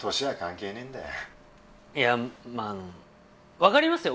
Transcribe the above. いやまあ分かりますよ